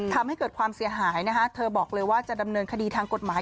ทำให้เกิดความเสียหายนะคะเธอบอกเลยว่าจะดำเนินคดีทางกฎหมาย